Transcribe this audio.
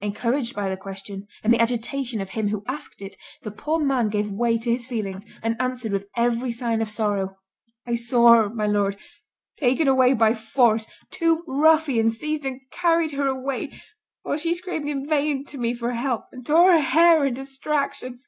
Encouraged by the question, and the agitation of him who asked it, the poor man gave way to his feelings, and answered with every sign of sorrow, "I saw her, my Lord, taken away by force—two ruffians seized and carried her away, while she screamed in vain to me for help, and tore her hair in distraction."